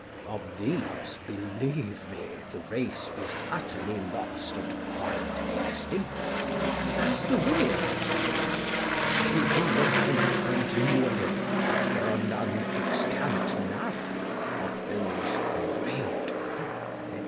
Of these, believe me, the race is utterly lost and quite extinct, as the women say; for they do lament continually that there are none extant now of those great, &c.